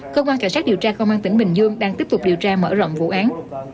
cơ quan cảnh sát điều tra công an tỉnh bình dương đang tiếp tục điều tra mở rộng vụ án